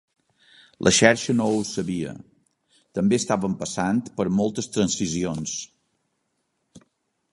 La xarxa no ho sabia, també estaven passant per moltes transicions.